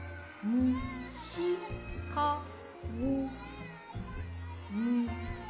むしかご？